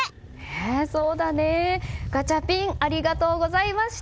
そうだね、ガチャピンありがとうございました。